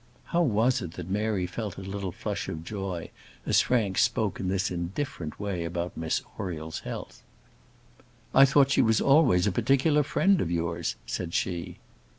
How was it that Mary felt a little flush of joy, as Frank spoke in this indifferent way about Miss Oriel's health? "I thought she was always a particular friend of yours," said she.